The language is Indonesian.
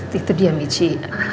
tentu dia nici